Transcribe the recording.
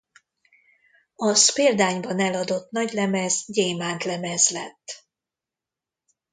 Az példányban eladott nagylemez gyémántlemez lett.